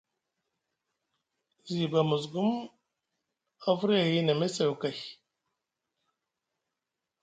Ziba Musgum a firya ahi na mesew kay.